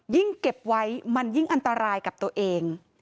เก็บไว้มันยิ่งอันตรายกับตัวเอง